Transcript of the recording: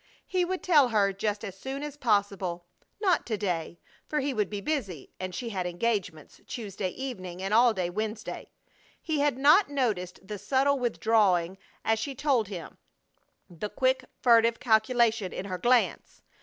He would tell her just as soon as possible. Not to day, for he would be busy, and she had engagements Tuesday evening and all day Wednesday. He had not noticed the subtle withdrawing as she told him, the quick, furtive calculation in her glance.